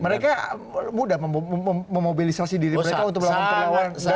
mereka mudah memobilisasi diri mereka untuk melakukan perlawanan